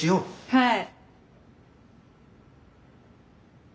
はい。